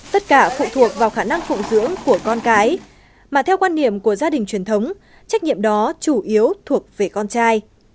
tất cả phụ thuộc vào khả năng phụng dưỡng của con cái mà theo quan điểm của gia đình truyền thống trách nhiệm đó chủ yếu thuộc về con trai